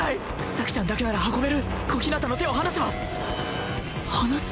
咲ちゃんだけなら運べる小日向の手を離せば離す？